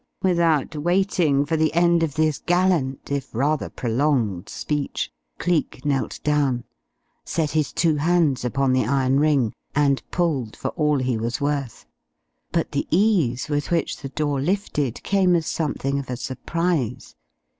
Without waiting for the end of this gallant, if rather prolonged speech Cleek knelt down, set his two hands upon the iron ring and pulled for all he was worth. But the ease with which the door lifted came as something of a surprise.